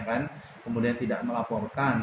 karena dia tidak melaporkan